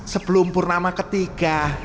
sebelum purnama ketiga